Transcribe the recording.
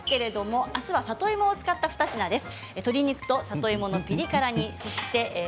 明日は里芋を使った２品です。